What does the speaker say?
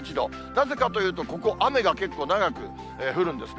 なぜかというと、ここ、雨が結構、長く降るんですね。